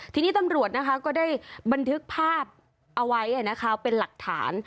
ทีนี้ตำรวจนะคะก็ได้บันทึกภาพเอาไว้นะคะเป็นหลักฐาน